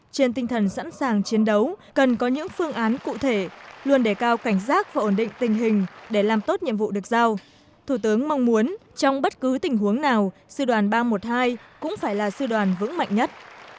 trên tinh thần sẵn sàng chiến đấu cần có những phương án cụ thể luôn đề cao cảnh giác và ổn định tình hình để làm tốt nhiệm vụ được giao thủ tướng mong muốn trong bất cứ tình huống nào sư đoàn ba trăm một mươi hai cũng phải là sư đoàn vững mạnh nhất